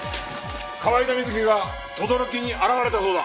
河井田瑞希が等々力に現れたそうだ。